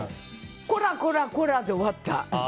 こらこらこらで終わった。